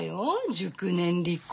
熟年離婚。